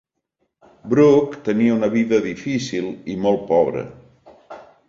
Brooke tenia una vida difícil i molt pobra.